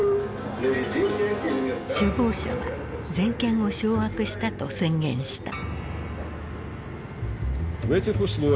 首謀者は全権を掌握したと宣言した。